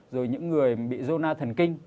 rồi những người bị zona thần kinh